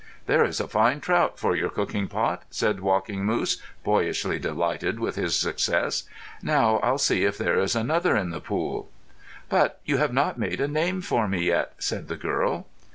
"There is a fine trout for your cooking pot," said Walking Moose, boyishly delighted with his success. "Now I'll see if there is another in the pool." "But you have not made a name for me yet," said the girl.